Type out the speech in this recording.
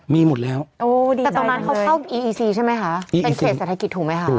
มีหมดแล้วโอ้ดีใจแต่ตอนนั้นเขาเข้าใช่ไหมค่ะใช่ไหมค่ะ